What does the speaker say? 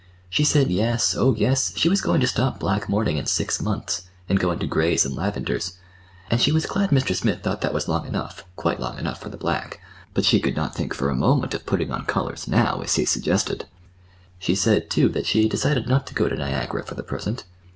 She said, Yes, oh, yes, she was going to stop black mourning in six months, and go into grays and lavenders; and she was glad Mr. Smith thought that was long enough, quite long enough for the black, but she could not think for a moment of putting on colors now, as he suggested. She said, too, that she had decided not to go to Niagara for the present.